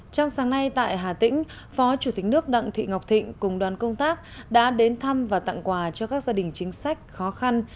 trong sáng nay tại hà tĩnh phó chủ tịch nước đặng thị ngọc thịnh cùng đoàn công tác đã đến thăm và tặng quà cho các gia đình chính sách khó khăn